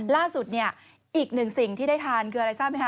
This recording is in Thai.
ล่าสุดเนี่ยอีกหนึ่งสิ่งที่ได้ทานคืออะไรทราบไหมค